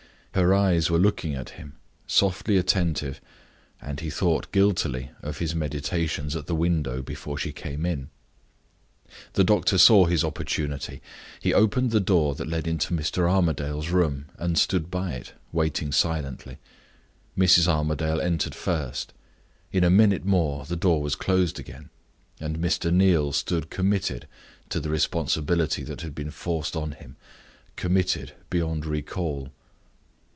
Her eyes were looking at him, softly attentive; and he thought guiltily of his meditations at the window before she came in. The doctor saw his opportunity. He opened the door that led into Mr. Armadale's room, and stood by it, waiting silently. Mrs. Armadale entered first. In a minute more the door was closed again; and Mr. Neal stood committed to the responsibility that had been forced on him committed beyond recall.